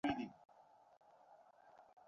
ওহ, তোমার কোন ধারণাই নেই সোনা।